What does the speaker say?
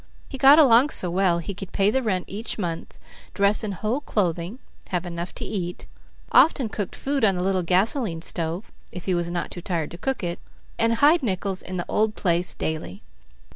He got along so well he could pay the rent each month, dress in whole clothing, have enough to eat, often cooked food on the little gasoline stove, if he were not too tired to cook it, and hide nickels in the old place daily.